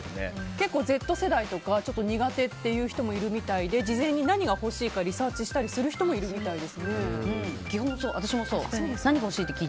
結構、Ｚ世代とか苦手っていう人もいるみたいで事前に何がほしいかリサーチする人も私もそう。